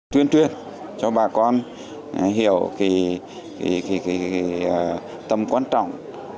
chuyên truyền cho bà con hiểu cái tâm quan trọng